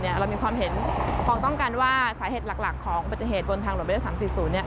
เรามีความเห็นพร้อมต้องกันว่าสาเหตุหลักของอุบัติเหตุบนทางหลวงไปได้๓๔๐